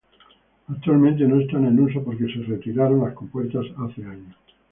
Actualmente no están en uso porque se retiraron las compuertas hace años.